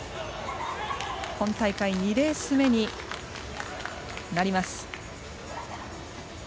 今大会２レース目になります。